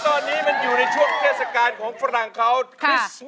ตอนนี้อยู่ในช่วงเจษฐการของฝรั่งเขา